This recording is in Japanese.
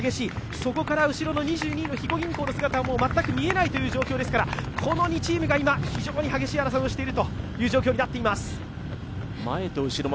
そこから更に後ろの２２位の肥後銀行の姿は全く見えないという状況ですからこの２チームが今、非常に激しい争いをしているという状況になっています。